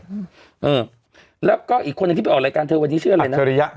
เออแล้วก็อีกคนที่ไปออกรายการเธอวันนี้เชื่ออะไรนะอัชริยะ